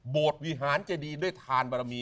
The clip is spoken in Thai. โบสถ์วิหารเจดียนด้วยทานบรมี